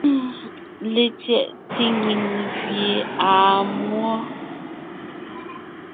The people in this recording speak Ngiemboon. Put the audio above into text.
LetsyɛꞋte nyìŋ gẅie àa múɔ.